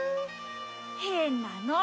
へんなの。